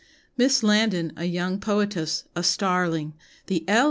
Miss Landon, a young poetess a starling the L.